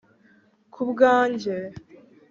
kubwanjye